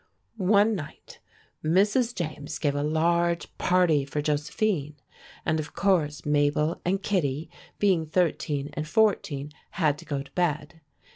One night Mrs. James gave a large party for Josephine, and of course Mabel and Kittie, being thirteen and fourteen, had to go to bed.